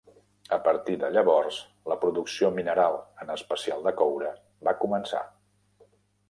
A partir de llavors, la producció mineral, en especial de coure, va començar.